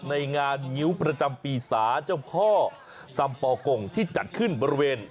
ในงานงิ้วประจำปีศาเจ้าพ่อสัมปอกงที่จัดขึ้นบริเวณ